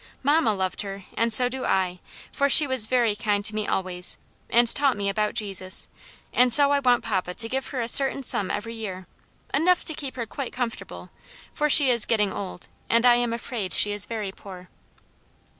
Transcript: Mamma loved her, and so do I; for she was very kind to me always, and taught me about Jesus; and so I want papa to give her a certain sum every year; enough to keep her quite comfortable, for she is getting old, and I am afraid she is very poor."